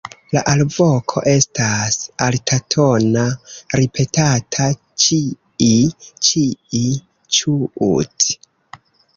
La alvoko estas altatona ripetata "ĉii-ĉii-ĉuut".